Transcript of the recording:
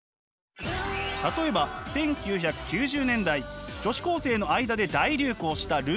例えば１９９０年代女子高生の間で大流行したルーズソックス。